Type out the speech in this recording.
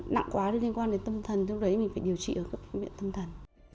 nặng quá liên quan đến tâm thần lúc đấy mình phải điều trị ở các phương miện tâm thần